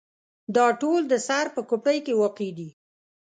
دا ټول د سر په کوپړۍ کې واقع دي.